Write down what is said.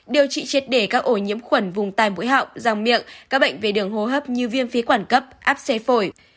điều trị chết để các ổ nhiễm khuẩn vùng tài mũi họng răng miệng các bệnh về đường hô hấp như viêm phế quản cấp áp xe phổi